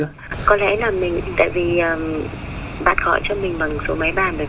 có lẽ là mình tại vì bạn gọi cho mình bằng số máy bàn